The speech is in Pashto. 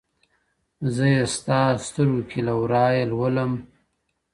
زه یې ستا سترګو کې له ورایه لولم